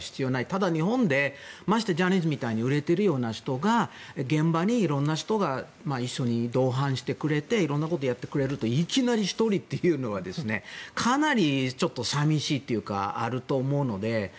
ただ、日本でましてジャニーズみたいに売れてるような人が現場に一緒に同伴してくれていろんなことをやってくれていきなり１人というのはかなりちょっと寂しいというのがあると思うので。